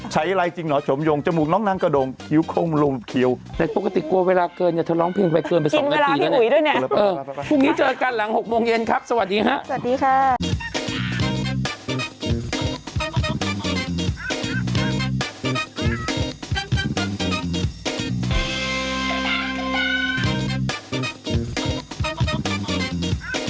โปรดติดตามันทุกวันทุกวันทุกวันทุกวัน